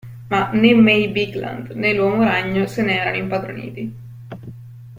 Ma né May Bigland, né l'uomo ragno se ne erano impadroniti.